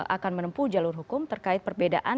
akan menempuh jalur hukum terkait perbedaan